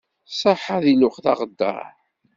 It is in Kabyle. Ṣaḥḥa di lweqt aɣeddar.